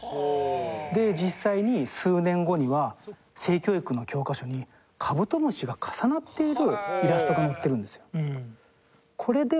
で実際に数年後には性教育の教科書にカブトムシが重なっているイラストが載ってるんですよ。